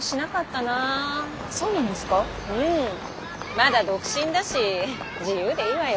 まだ独身だし自由でいいわよ。